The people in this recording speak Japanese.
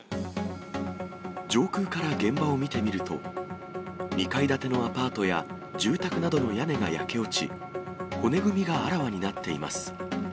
上空から現場を見てみると、２階建てのアパートや住宅などの屋根が焼け落ち、骨組みがあらわになっています。